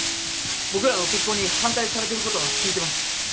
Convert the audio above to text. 僕らの結婚に反対されてることは聞いてます。